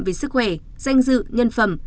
về sức khỏe danh dự nhân phẩm